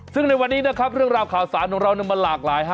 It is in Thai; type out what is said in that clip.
ซึ่งในวันนี้นะครับเรื่องราวข่าวสารของเรามันหลากหลายฮะ